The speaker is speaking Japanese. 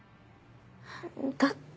だって。